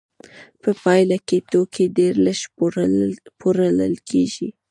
په پایله کې توکي ډېر لږ پلورل کېږي